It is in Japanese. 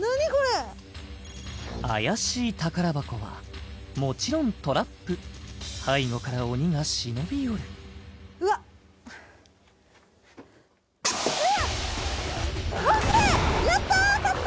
怪しい宝箱はもちろんトラップ背後から鬼が忍び寄るうわっＯＫやった当たった！